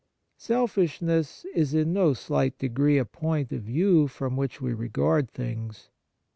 Selfishness is in no slight degree a point of view from which we regard things.